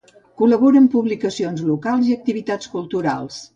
Col·labora en publicacions locals i activitats culturals.